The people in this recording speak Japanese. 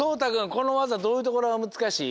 このわざどういうところがむずかしい？